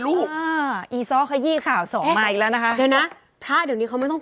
อ่าอีซ้อขยี้ข่าวสองมาอีกแล้วนะคะเดี๋ยวนะพระเดี๋ยวนี้เขาไม่ต้อง